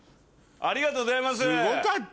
ありがとうございます。